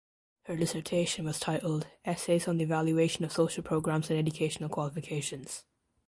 Her dissertation was titled "Essays on the Evaluation of Social Programmes and Educational Qualifications".